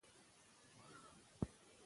ماشومان له مودې زده کړه کوي.